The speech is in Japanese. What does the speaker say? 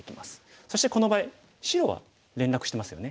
そしてこの場合白は連絡してますよね。